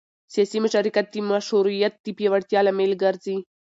سیاسي مشارکت د مشروعیت د پیاوړتیا لامل ګرځي